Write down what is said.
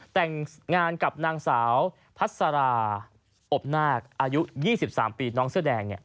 แต่งงานกับนางสาวพัสราอบนาคอายุ๒๓ปีน้องเสื้อแดง